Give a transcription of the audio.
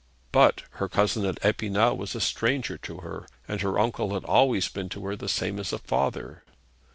But her cousin at Epinal was a stranger to her, and her uncle had always been to her the same as a father.